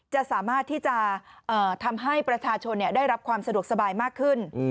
จะสามารถที่จะทำให้ประชาชนได้รับความสะดวกสบายมากขึ้น